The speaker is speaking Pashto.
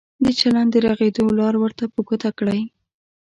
د چلند د رغېدو لار ورته په ګوته کړئ.